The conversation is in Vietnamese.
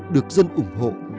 được dân ủng hộ